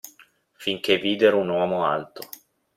Finchè videro un uomo alto.